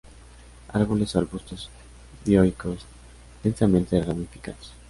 Árboles o arbustos dioicos, densamente ramificados.